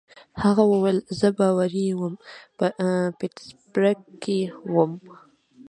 هغه وویل: زه باوري وم، په پیټسبرګ کې ووم.